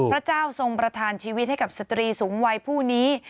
พระเจ้าทรงประธานชีวิตให้กับสตรีสูงวัยผู้นี้